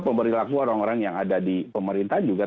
pemerilaku orang orang yang ada di pemerintah juga ya